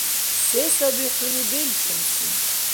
Се саби хӀуни белчӀунси?